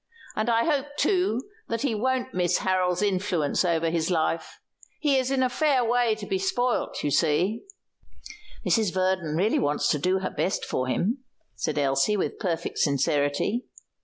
"And I hope, too, that he won't miss Harold's influence over his life. He's in a fair way to be spoilt, you see." "Mrs. Verdon really wants to do her best for him," said Elsie, with perfect sincerity.